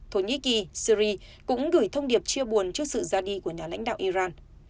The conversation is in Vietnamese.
thổ nhĩ kỳ syri cũng gửi thông điệp chia buồn trước sự ra đi của nhà lãnh đạo iran